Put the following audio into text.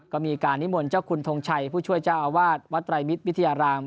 ก็มีการนิมนต์เจ้าคุณทงชัยผู้ช่วยเจ้าอาวาสวัตรายมิตรวิทยาลัยธรรมศาสตร์